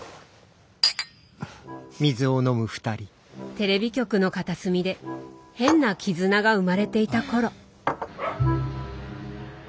テレビ局の片隅で変な絆が生まれていた頃。